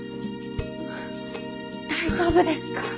大丈夫ですか？